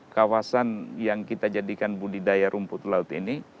kawasan yang kita jadikan budidaya rumput laut ini